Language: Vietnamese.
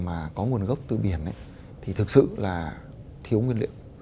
mà có nguồn gốc từ biển thì thực sự là thiếu nguyên liệu